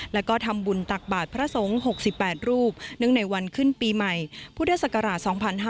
แล้วก็ทำบุญตักบาทพระสงฆ์๖๘รูปเนื่องในวันขึ้นปีใหม่พุทธศักราช๒๕๕๙